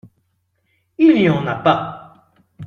Il n’y en a pas !